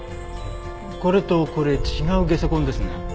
これとこれ違う下足痕ですね。